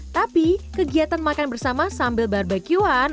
tapi kegiatan makan bersama sambil barbeque one